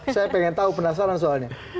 saya pengen tahu penasaran soalnya